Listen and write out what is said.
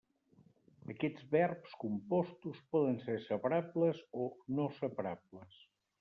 Aquests verbs compostos poden ser separables o no separables.